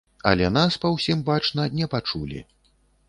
Але нас, па ўсім бачна, не пачулі.